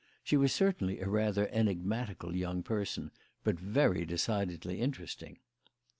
She was certainly a rather enigmatical young person, but very decidedly interesting.